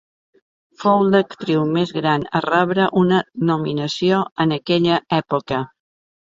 Fou l'actriu més gran a rebre una nominació en aquella època.